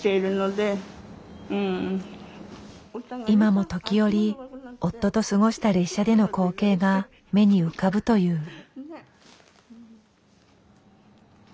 今も時折夫と過ごした列車での光景が目に浮かぶという。